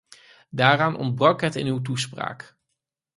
Daaraan ontbrak het in uw toespraak.